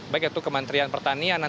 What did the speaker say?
baik itu kementerian pertanian